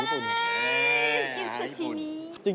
เอ๊ะร้านอาหารญี่ปุ่น